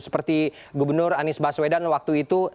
seperti gubernur anies baswedan waktu itu